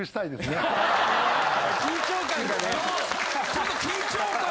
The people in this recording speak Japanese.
ちょっと緊張感。